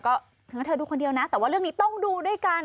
ก็ถึงว่าเธอดูคนเดียวนะแต่ว่าเรื่องนี้ต้องดูด้วยกัน